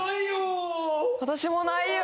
私もないよ。